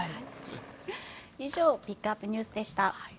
以上ピックアップＮＥＷＳでした。